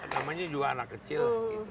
namanya juga anak kecil